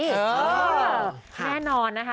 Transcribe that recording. แน่นอนนะคะ